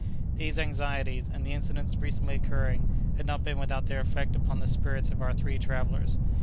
These anxieties, and the incidents recently occurring, had not been without their effect upon the spirits of our three travellers.